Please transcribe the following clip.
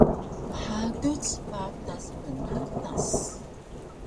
Mhaduc patas pnatas